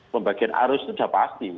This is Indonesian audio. pembagian arus itu sudah pasti